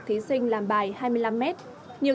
thí sinh làm bài hai mươi năm mét nhiều